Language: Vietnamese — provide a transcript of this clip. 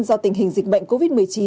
do tình hình dịch bệnh covid một mươi chín